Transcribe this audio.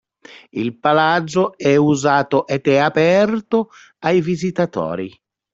Il palazzo è usato ed è aperto ai visitatori.